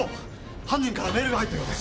犯人からメールが入ったようです。